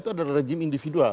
itu adalah rejim indisensial